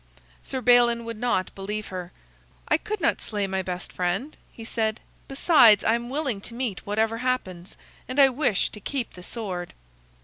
Sir Balin would not believe her. "I could not slay my best friend," he said. "Besides, I am willing to meet whatever happens, and I wish to keep the sword."